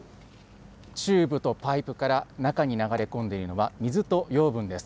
チューブとパイプから中に流れ込んでいるのは、水と養分です。